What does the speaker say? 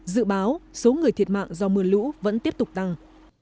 dự báo số người thiệt mạng do mưa lũ vẫn tiếp tục tăng